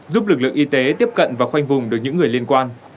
giúp lực lượng y tế tiếp cận và khoanh vùng được những người liên quan